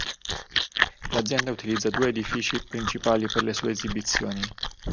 L'azienda utilizza due edifici principali per le sue esibizioni.